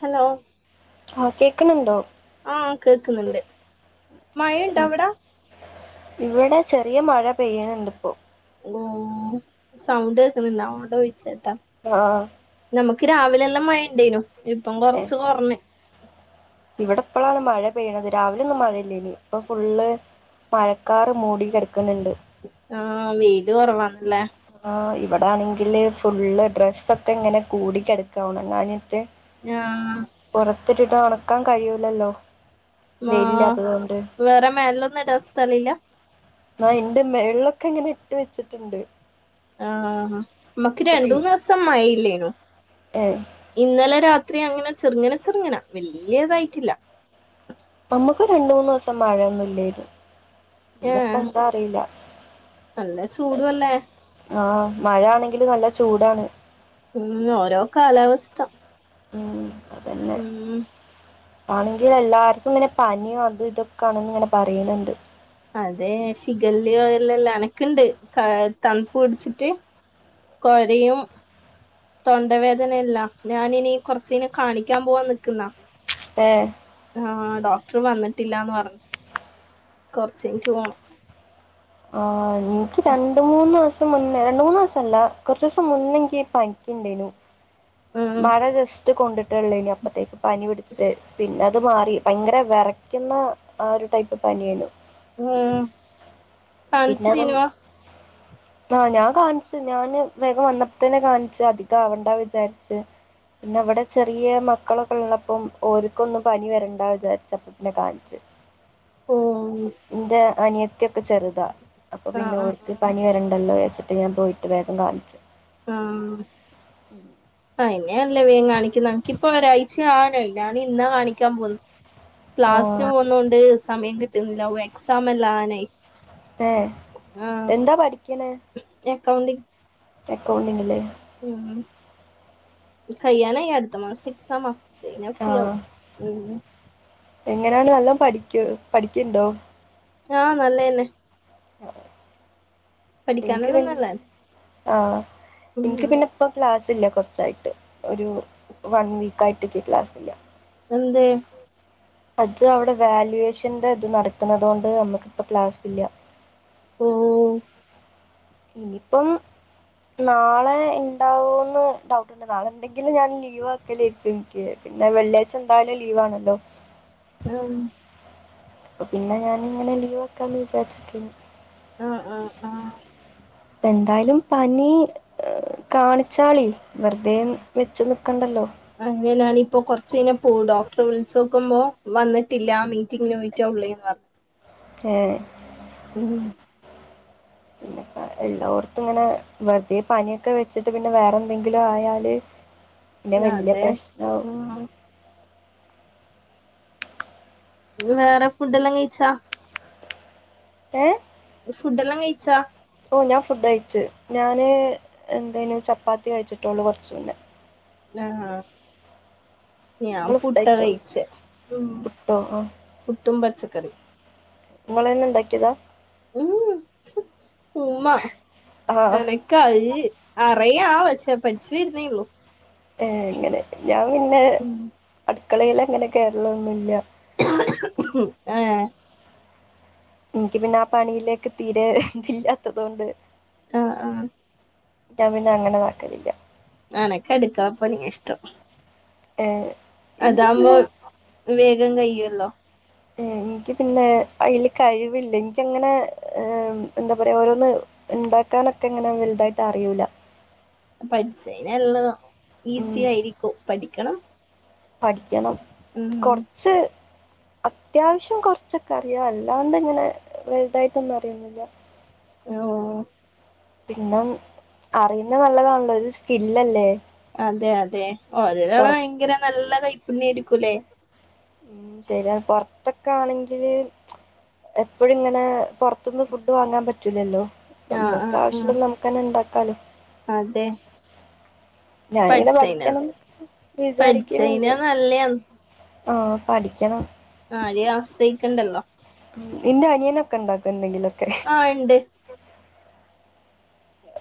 Hello.. ക്ക് ഉണ്ടോ ആഹ കേക്കുന്നുണ്ട് മഴുണ്ട അവിടാ.. ഇവിടെ ചെറിയ മഴ പെയ്യണുണ്ട് ഇപ്പോ... ഓ സൗണ്ട് കേക്ക്ന്നില്ല അഹോണ്ട ചോദിച്ച ആ നക്ക് രാവിലെ എല്ലാം മഴ ണ്ടനു ഇപ്പം ഏ, കൊറച്ച് കൊറഞ്... ഇവിടെ ഇപ്പളാണ് മഴ പെയ്യണത് രാവിലെ ഒന്നും മഴയില്ലേനി ഇപ്പൊ ഫുള്ള് മഴക്കാറ് മൂടി കിടക്കുന്ന്ണ്ട് ആ വെയ്ല് കുറവാന്ന് ആ ഇവിടെ ആണെങ്കില് ഫുള്ള് ഡ്രെസ്സൊക്കെ ഇങ്ങനെ കൂടിക്കിടക്ക ഒണങ്ങാന് ആ എത്തിട്ടിട്ട് ഉണക്കാൻ കഴിയൂലല്ലോ ആ വെയിലില്ലാത്തതുകൊണ്ട് വേറെ മേലൊന്നും ഇടാ സ്ഥലയില്ല നാ എന്റെ മെൾലൊക്കെ ഇങ്ങനെ ഇട്ട് വെച്ചിട്ടുണ്ട് ആ നമ്മക്ക് പെയ്യ്- രണ്ടൂന്ന് ദിവസം മഴയില്ലേനു ഏ, ഇന്നലെ രാത് ത്രി അങ്ങനെ ചെറുങ്ങനെ ചെറുങ്ങന വല്ല്യതായിട്ടില്ല നമ്മുക്ക് രണ്ട മൂന്ന് ദിവസം മഴയൊന്നും ഇല്ലാരുന്നു പിന്നപ്പ ഏഹ് എന്താ അറിയില്ല നല്ല ചൂടുവല്ലേ ആ മഴ ആണെങ്കില് നല്ല ചൂടാണ് ഉം ഓരോ കാലാവസ്ഥ ഉം അതന്നെ ഉം ആണെങ്കിൽ എല്ലാർക്കും ഇങ്ങനെ പനിയും അത് ഇതൊക്കൊണെന്ന് ഇങ്ങനെ പറയണ് ണ്ട് അതെ ശിഖല്യോ എല്ലാംല്ലാം അനക്കുണ്ട് തണുപ്പ് പിടിച്ചിട്ട് കൊരയും തൊണ്ടവേദനയല്ല ഞാനിനി കൊറച്ച് നേരം കാണിക്കാൻ പോവാൻ നിക്ക്ന്ന ഏ ആ ഡോക്ടർ വന്നിട്ടില്ലാന്ന് പറഞ്ഞു കൊറച്ചയിഞ്ഞിട്ട് പോണം ആ എനിക്ക് രണ്ട് മൂന്ന് ദിവസ മുന്നേ രണ്ട് മൂന്ന് ദിവസല്ല കുറച്ച് ദിവസം മുന്നെ നിക്ക് പനിക്കിണ്ടേനു ഉം മഴ ജസ്റ്റ് കൊണ്ടിട്ടേള്ളു അപ്പത്തേക്ക് പനി പിട ശെ പിന്നെ അത് മാറി ഭയങ്കര വിറക്കുന്ന ആ ഒരു ടൈപ്പ് പനിയാനു ഉം കാണിച്ചരനു ആഹ ഞാൻ കാണിച്ചു ഞാന് വേഗം വന്നപ്പോ തന്നെ കാണിച്ചു അധികം ആവണ്ട വിചാരിച്ച് പിന്നെ അവിടെ ചെറിയ മക്കളൊക്കെ ഉള്ളപ്പോം ഓക്കൊന്നും പനി വരണ്ട വിചാരിച്ചപ്പ പിന്നെ കാണിച്ച് [inaudible] ഓഹ് എന്റെ അനിയത്തിയൊക്കെ ചെറു അപ്പൊ ആഹ് പിന്നെ ആഹ് ഒരുക്ക് ആഹ് പനി വരണ്ടല്ലോ വച്ചിട്ട് ഞാൻ പോയിട്ട് വേഗം കാണിച്ചു ആ ആയി അങ്ങനെയല്ല വേഗം കാണിക്കുന്നത് നക്കിപ്പൊ ഒരാഴ്ച ആവനായി ഞാൻ ഇന്നാ കാണിക്കാൻ പോകുന്ന ക്ലാസിന് ആ പോകുന്നൊണ്ട് സമയം കിട്ടുന്നില്ല ഓ എക്സാം എല്ലാം ആണെ ഏഹ് എന്താ പഠിക്ക്ണെ കൗണ്ടിംഗ് അക്കൗണ്ടിങ് ലേ ഉം കയ്യാനായി അടുത്തമാസം എക്സാമ്മ അതയിഞാ ആ ഫ്രീയാവും ഉം എങ്ങനെയാണ് നല്ലൊം പഠിക്യോ പഠിക്ണ്ടോ ആഹ് നല്ല ന്നെ [unintelligible] പഠിക്കാന്ള്ളന്നല്ലെ ആഹ് ഇൻക്ക് പിന്നെപ്പ ക്ലാസ്സില്ല കൊർച്ചായിട്ട് ഒരു വൺ വീക്ക് ആയിട്ട് ക്ക് ക്ലാസ്സ് ല്ല എന്തെ അത് അവിടെ വാല്വേഷന്റെ ഇത് നടക്കുന്നതോണ്ട് നമ്മുക്കിപ്പ ക്ലാസ് ഇല്ല ഓഹ് ഇനിയിപ്പം നാളെ ഉണ്ടാവോന്ന് ഡൗട്ടുണ്ട് നാളെ ഇണ്ടെങ്കിലും ഞാൻ ലീവ് ആക്കലേക്കും ഇൻക്ക് പിന്നെ വെള്ളിയാഴ്ച എന്തായാലും ലീവ് ആണല്ലോ ആഹ അപ്പ പിന്നെ ഞാനിങ്ങനെ ലീവാക്കാന്ന് വിചാരിച്ച്ക്കേനി ആഹ് ആഹ് ആഹ് എന്തായാലും പനി കാണിച്ചാളി വെറുതെ വെച്ച് നിക്കണ്ടല്ലോ? അങ് ഞാനിപ്പോ കൊറച്ച് കഴിഞ്ഞാ പോവു ഡോക്ടറെ വിളിച്ചോക്കുമ്പോ വന്നിട്ടില്ല മീറ്റിങ്ങിന പോയിട്ടോ ള്ളിന്ന് പറ് ഏഹ് ഉം [inaudible] എല്ലോട്ത്തും ങ്ങനെ വെറുതെ പനിയൊക്കെ വെച്ചിട്ട് പിന്നെ വേറെ ന്തെങ്കിലും ആയാല്. ഇല്ലെ വല്ല്യ അതെ പ്രശ്നാവും ഉം പിന്നെ വേറെ. ഫുഡെല്ലാം കഴിച്ചാ? എ ഫുഡെല്ലാം കഴിച്ചാ? ഓ ഞാൻ ഫുഡ് കയിച്ച്. ഞാൻ എന്തേനു ചപ്പാത്തി കഴിച്ചിട്ടൊള്ളൂ കുറച്ച് മുന്നെ. ആഹ് ഞാൻ നിങ്ങൾ ഫുഡ് പുട്ടാ കഴിച്ചോ കയിച്ചേ പുട്ടോ പുട്ടും പച്ചക്കറിം ഇങ്ങളെന്നെ ഇണ്ടാക്കിയതാ ഉം ഉമ്മ ആ എനക്ക യീ അറിയാ പക്ഷേ പഠിച്ച് വരുന്നേ ഉള്ളൂ ഏ അങ്ങനെ ഞാൻ പിന്നെ അടുക്കളേൽ അങ്ങനെ കേറലൊന്നുല്ല ഏഹ് ഇൻക്ക് പിന്നെ ആ പണിയിലേക്ക് തീരെ ഇതില്ലാത്തത് കൊണ്ട് ആഹ് ആഹ് ഞാൻ പിന്നെ അങ്ങനെതാക്കലില്ല അനക്ക് അടുക്കളപ്പണിയാ ഇഷ്ടം ഏ എനിക്ക് പിന്നെ അതാവുമ്പോ വേഗം കയ്യൊല്ലോ എനിക്ക് പിന്നെ അയ്ൽ കഴിവില്ല എനിക്കങ്ങനെ എന്താ പറയാ ഓരോന്ന് ഉണ്ടാക്കാനൊക്കെ ഇങ്ങനെ വലുതായിട്ട് അറിയൂല്ല പഠിച്ചയ്ഞ എല്ല ഉം, ഈസി ആയിരിക്കും പഠിക്കണം പഠിക്കണം ഉം കൊർച്ച് അത്യാവശ്യം കൊറച്ചൊക്കെ അറിയാം അല്ലാണ്ട് ഇങ്ങനെ വെൽതായിട്ടൊന്നും അറിയൊന്നുല്ല ഓ പിന്നെ അറിയുന്ന നല്ലതാണല്ലോ ഒരു സ്കില്ലല്ലേ അതെ അതെ [unintelligible] പൊറ ഭയങ്കര നല്ല കൈപ്പുണ്യ ആയിരിക്കുംല്ലേ ഉം ശരി പൊറത്തൊക്കാണെങ്കില് എപ്പഴും ഇങ്ങനെ പുറത്ത്ന്ന് ഫുഡ് വാങ്ങാൻ പറ്റൂലല്ലോ ആഹ് നമ്മക്ക് ആഹ് ആഹ് ആവശ്യമുള്ള നമ്ക്കന്നെ ഉണ്ടാക്കാലോ അതെ ഞാനിങ്ങനെ പഠിച്ചേന പഠിക്കണം വിചാരിക്ണ് പഠിച്ചേന ണ്ട് നല്ലയാന്ന് ആഹ് പഠിക്കണം ആരെയും ആശ്രയിക്കണ്ടല്ലോ ഇന്റെ അനിയനൊക്കെ ഉണ്ടാക്കു എന്തെണ്ടെങ്കിലൊ ആഹ് ഇണ്ട്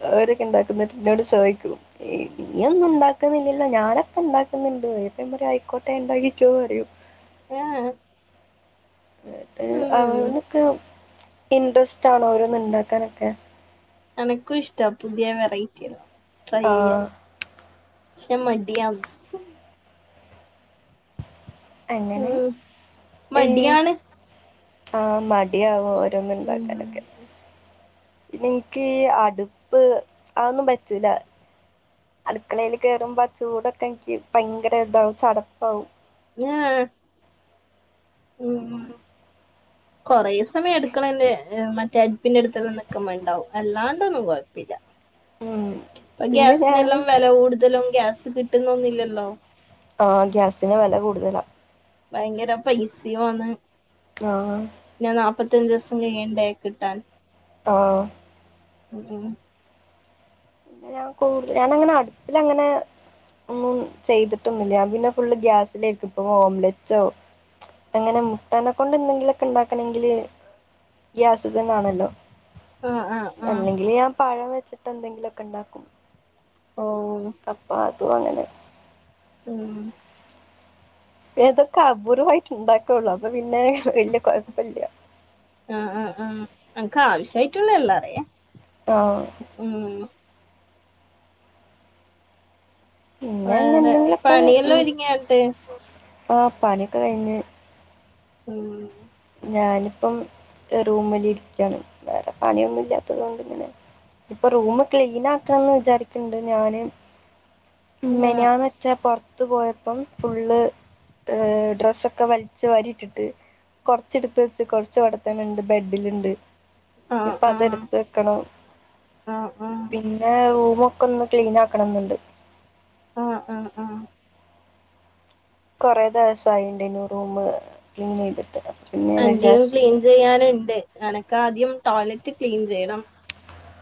അവരൊക്കെ ഇണ്ടാക്കും ന്നിട്ട് ഇന്നോട് ചോയിക്കും ഇയൊന്നും ഉണ്ടാക്കുന്നില്ലല്ലോ ഞാനൊക്കെ ഉണ്ടാക്കു ന്നില്ലേ അപ്പം ഞാ പറയും ആയിക്കോട്ടെണ്ടാക്കിക്കോ പറയും ആഹ് ഉം അവനൊക്കെ ഇന്റെറെസ്റ്റ് ആണോ ഓരോന്ന് ഇണ്ടാക്കാനൊക്കെ എനക്കും ഇഷ്ട പുതിയ വെറൈറ്റി ട്രൈ ചെയ്യാൻ ആഹ് ക്ഷെ മടിയ അങ്ങനെ ഉം ഏ മടിയാണ് ആ മടി ടിയആവോ ഉം ഓരോന്ണ്ടാക്കാനൊക്കെ പിന്നെ എനിക്ക് അടുപ്പ് അതൊന്നും പറ്റൂല്ല അടുക്കളെല് കേയറുമ്പോ ചൂടൊക്കെ എനിക്ക് ഭയങ്കര ഇതാവും ചടപ്പാവും ഞ്ഞാ മ്മ് കുറേ സമയം അടുക്കളേല് മറ്റേ അടുപ്പിന്റെ അടുത്തക്കെ നിക്കുമ്പ ഉണ്ടാവും അല്ലാണ്ടൊന്നും കോഴപ്പല്ല ഉം ഇപ്പ പിന്നെ ഞാൻ ഗ്യാസിനെല്ലാം വില കൂടുതലും ഗ്യാസ് കിട്ടുന്നൊന്നില്ലല്ലോ ആ ഗ്യാസിന് വില കൂടുതലാ ഭയങ്കര പൈസയും വന്ന് ആഹ മുപ്പത്തഞ്ച് ദിവസം കഴിയണ്ടേ കിട്ടാൻ ആ ഉ പിന്നെ ഞാൻ കൂടു ഞാനങ്ങനെ അടുപ്പിലങ്ങനെ ഒന്നും ചെയ്തിട്ടൊന്നുമില്ല പിന്നെ ഫുള് ഗ്യാസിലെക്കും ഇപ്പ ഓംലറ്റോ അങ്ങനെ മുട്ടനെ കൊണ്ട് എന്തെങ്കിലൊക്കെ ഉണ്ടാക്കണെങ്കില് ഗ്യാസിത്തന്നാണല്ലോ ആഹ് ആഹ് ആഹ് അല്ലെങ്കില് ഞാൻ പഴം വെച്ചിട്ട് എന്തെങ്കിലുമൊക്കെ ഇണ്ടാക്കും ഓ കപ്പാട്ടു അങ്ങനെ ആഹ പിന്നതൊക്കെ അപൂർവമായിട്ട് ഇണ്ടാക്കോള്ളൂ അപ്പൊ പിന്നെ വല്യ കുഴപ്പില്യ ആഹ ആഹ ആഹ അനക്ക് ആവശ്യായിട്ടുള്ള എല്ലാറിയ ആ വേറെ പിന്നെഞന്നാന്നൊക്കെ പണിയെല്ലാം ഒരുങ്ങിയാട്ട് പ്പോ പണിയൊക്കെ കഴിഞ്ഞ് ഉ ഞാനിപ്പം റൂമലിഇരിക്കയാണ് വേറെ പണിയൊന്നും ഇല്ലാത്തത് കൊണ്ട് ഇങ്ങനെ ഇപ്പൊ റൂം ക്ലീൻ ആക്കണംന്ന് വിചാരിക്കണ്ട് ഞാന് ആ മെനിയാന്ന് വെച്ചാ പോറ റത്ത് പോയപ്പം ഫുള്ള് ഡ്രസ്സൊക്കെ വലിച്ചുവാരിട്ടിട്ട് കൊറച്ചെടുത്ത് വെച്ച് കൊറച്ചോടത്തനെഉണ്ട് ബെഡിലുണ്ട് ആ ഇപ്പൊ അതെടുത്ത് വെക്കണം ആ ആ പിന്നെ റൂമോ ക്കൊന്ന് ക്ലീൻ ആക്കണംന്ന്ണ്ട് ആഹ് ആഹ ആഹ കുറെേ ദിവസയിണ്ടെനു റൂമ് ക്ലീന് ചെയ്തെ അന്റയും ക്ലീൻ ചെയ്യാനുണ്ട് നിനക്ക് ആദ്യം ടോയ്ലറ്റ് ക്ലീൻ ചെയ്യണം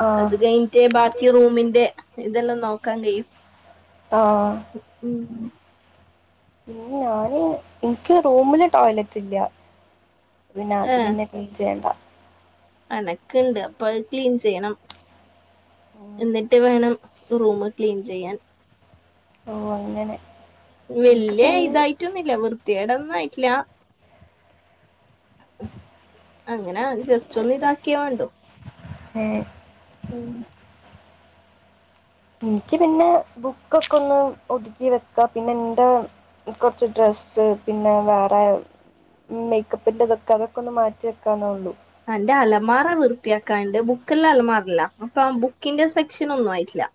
ആഹ് അത് കഴിഞ്ഞിട്ട് ബാക്കി റൂമിന്റെ ഇതെല്ലാം നോക്കാൻ കഴിയും ആഹ ഉം പിന്നെ ഞാന് എനിക്ക് റൂമില് ടോയ്ലറ്റ് ഇല്ല പിന്നെ അത് ഏ പിന്നെ ക്ലീൻ ചെയ്യണ്ട അനക്കുണ്ട് അപ്പൊ അത് ക്ലീൻ ചെയ്യണം ഉം എന്നിട്ട് വേണം റൂമ് ക്ലീൻ ചെയ്യാൻ ഓ അങ്ങനെ എനിക്ക് വല്യ പിന്നെ ഇതായിട്ടൊന്നുംല്യാ വൃത്തിയെടൊന്നും ആയിട്ടില്ല അങ്ങനെ ജസ്റ്റ് ഒന്ന് ഇതാക്കിയ വെണ്ടു എഏ ഉം എനിക്ക് പിന്നെ ബുക്കൊക്കെ ഒന്ന് ഒതുക്കി വെക്കാ പിന്നെ എന്റെ കൊറച്ച് ഡ്രസ് ഡ്രസ് പിന്നെ വേറെ മേക്കപ്പിന്റെ ഇതൊക്കെ അതൊക്കെ ഒന്ന് മാറ്റി വെക്കന്നേ ഉള്ളൂ അന്റെ അലമാറ വൃത്തിയാക്കാണ്ട് ബുക്കെല്ലാം അലമാറല്ല അപ്പൊ ആ ബുക്കിന്റെ സെക്ഷൻ ഒന്നും ആയിട്ടില്ല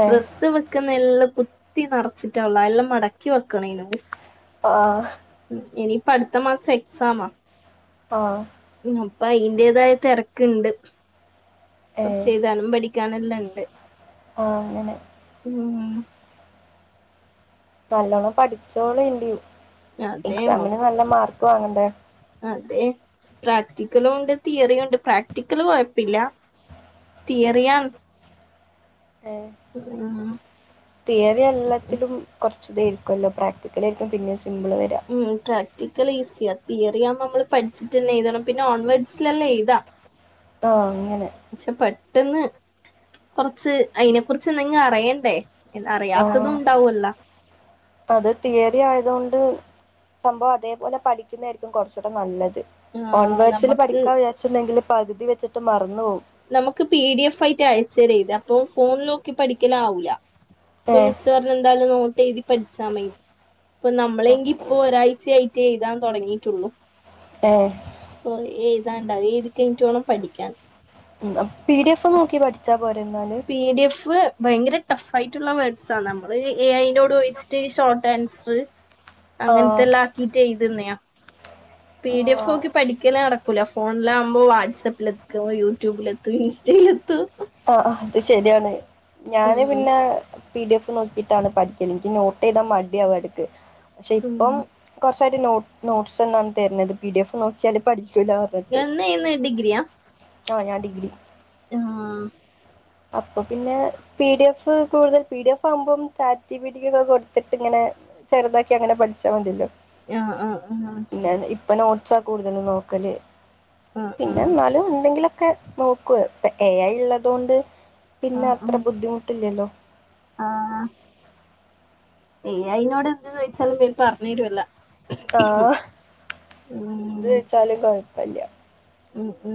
ഏഹ് ഡ്രെസ്സ് വെക്കുന്ന എല്ലാം കുത്തി നിറച്ചിട്ടാ ഉള്ള എല്ലാം മടക്കി വെക്കണേനും ആ അടുത്ത മാസത്തെ എക്സാാം ആ ആ അപ്പൊ അയിന്റതായ തിരക്കുണ്ട് കുറച്ച് എഴുതാനും പഠിക്കാനും എല്ലാംണ്ട് ഉണ്ട് ആ അനെ ഉം നല്ലോണം പഠിച്ചോള ഇല്ല അതെ മൊ എക്സാമിന് നല്ല മാർക്ക് വാങ്ങണ്ടേ അതെ പ്രാക്ടിക്കലും ഉണ്ട് തിയറിയ ഉണ്ട് പ്രാക്ടിക്കല് കുഴപ്പില്ല തീറിയൻ ഏ തീയറി എല്ലാത്തിലും കൊറച്ച് തായിരിക്കുമല്ലോ പ്രാക്ടിക്കലായിയിരിക്കും പിന്നെ സിമ്പിള് വരാ ഉം പ്രാക്ടിക്കൽ ഈസിയ തിയറി ആകുമ്പോൾ നമ്മള് പഠിച്ചിട്ടന്നെ എഴതണം പിന്നെ ഓൺവേഡ്സിലല്ല എഴുതാ ആഹ അങ്ങനെ പന്ന് കൊറച്ച് അയിതിനെ കുുറിച്ച് എന്തെങ്കും അറിയണ്ടേ ആ അറിയാത്തതും ഉണ്ടാവല്ലോ അത് തീയറി ആയതുകൊണ്ട് സംഭവം അതേപോലെ പഠിക്കുന്നതായിരിക്കും കുറച്ചൂട്ട നല്ലത് ആഹ് കോൺവേർസിില് നമ്മക്ക് പഠിക്കാൻ വിചാച്ചുണ്ടെങ്കിൽ പകുതി വെച്ചിട്ട് മറന്നു പോകും നമുക്ക് പി ഡി എഫ് ആയിട്ട് അയച്ച തരത് അപ്പൊ ഫോണിലോക്കി പഠിക്കാന ആാവൂല ഇപ്പൊ ഏഹ് മിസ് പറഞ്ഞ എന്തായാലും നോട്ട് എഴുതി പഠിച്ചാ മൈ ഇപ്പ നമ്മളെങ്കി ഇപ്പൊ ഒരാഴ്ചയയിട്ട് എഴുതാൻ തുടങ്ങിട്ടുള്ളു ആഹ ഓ എഴുതാണ്ടാവ എഴുതി കഴിഞ്ഞട്ടോണം പഠിക്കാൻ പി ഡി എഫ് നോക്കി പഠിച്ച പി ഡി എഫ് ഭയങ്കര ടഫ് ആയിട്ടുള്ള വേർഡ്സ നമ്മള് എ അയിന്റെറോട് ചോദിച്ചിട്ട് ഷോർട്ട് ആൻസർ ആഹ് അങ്ങനത്തെല്ലാം ആക്കി ചെയ്തന്നെയ പി ഡി ഓഹ് എഫ്ക്കി പഠിക്കല നട ല ഫോണില ആകുമ്പോ വാട്സആപ്പില എത്തും യൂട്യൂബിലെത്തും ഇൻസ്റ്റയില എത്തും ആഅത് ശരിയാണ് ഞാന് ഉം പിന്നെ പി ഡി എഫ് നോക്കിട്ടാണ് പഠിക്കല് എനിക്ക് നോട്ട് ചെയ്താ മടി അവ എടുക്ക് പക്ഷെ ഉം ഇപ്പം കൊറ നോട്ടസ് എന്നാണ് തരുന്നത് പി ഡി എഫ് നോക്കിയാല് പഠിക്ക ന്ന്ന്ന് ഡിഗ്രിയാ ആഞ ഡിഗ്രി ആ അപ്പൊ പിന്നെ പി ഡി എഫ് കൂടുതൽ പി ഡി എഫ് ആകുമ്പം ചാറ്റപടൊക്കെ കൊടുത്തിട്ട് ഇങ്ങനെ ചെറുതാക്കി അങ്ങനെ പഠിച്ചാൽണ്ടല്ലോ ആആആ ആ ഇപ്പ നോട്ട്സാ കൂടുതൽ നോക്കല് ആഹ് ആഹ് പിന്നൊലും ഉന്തെങ്കില ഒക്കെ നോക്കുവ ഇപ്പൊ എ ആ ഉള്ളത കൊൊണ്ട് ആഹ് പിന്നെ ആഹ് അത്ര ആഹ് ബുദ്ധിമുട്ടില്ലല്ലോ ്യ അയിതിനോട് എന്ത ചോദിച്ചാലും പേ പറഞ്ഞീടുമല്ല ആഎന്ത വച്ചാാലും കൊഴപ്പില്ല ഉ ഉ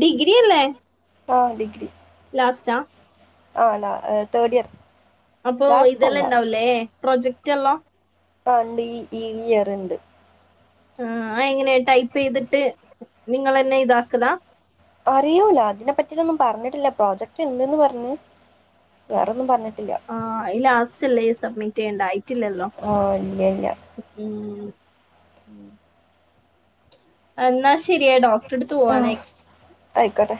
ഡിഗ്രി അല്ലേ? ആഹ് ഡിഗ്രി. പാസ്ട ആണാ തേർഡ് ഇയർ. അപ്പൊ ലാസ്റ്റ് അല്ല ഇതെല്ലാം ഇണ്ടാവലേ പ്രൊജക്റ്റ്ല്ലോ. കണ്ട് ഈ ഈ വിയർണ്ട്. ആ എങ്ങനെയാ ടൈപ്പ് ചെയ്തിട്ട് നിങ്ങളന്നെ ഇതാക്കലാ. അറിയൂല അതിനെപ്പറ്റിന്നും പറഞ്ഞിട്ടില്ല. പ്രോജക്ട് ഇണ്ട്ന്ന് പറഞ്ഞ് വേറൊന്നും പറഞ്ഞിട്ടില്ല. ആ ലാസ്റ്റ്ല്ലേ സബ്മിറ്റ് ചെയ്യണ്ടായിട്ടില്ലല്ലോ. ആ ഉ ഉം എന്നാ ശരിയായി ഡോക്ടറെടുത്ത് ആ പോവാനായി. ആയിക്കോട്ടെ